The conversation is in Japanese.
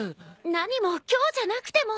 なにも今日じゃなくても。